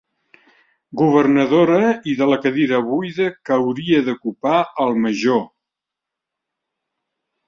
Governadora i de la cadira buida que hauria d'ocupar el Major.